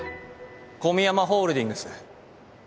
小宮山ホールディングス。